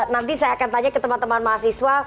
nanti saya akan tanya ke teman teman mahasiswa